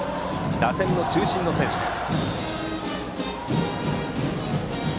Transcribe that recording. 打線の中心の選手です。